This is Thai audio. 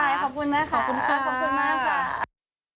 ใช่ขอบคุณมากขอบคุณค่ะขอบคุณมากค่ะ